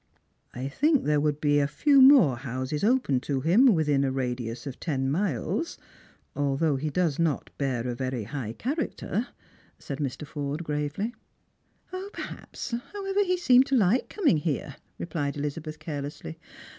" I think there would be a few more houses open to him within Strangers and Pilgrims. 155 a radius of ten miles, although he does not boar a very high character," said Mr, Forde gravely. " Perhaps. However he seemed to like coming here," replied Elizabeth carelessly.